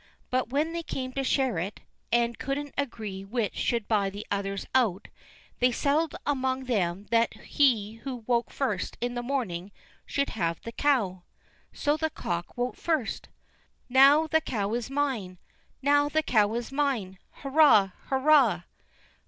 But when they came to share it, and couldn't agree which should buy the others out, they settled among them that he who woke first in the morning should have the cow. So the Cock woke first. "Now the cow's mine! Now the cow's mine! Hurrah! Hurrah!"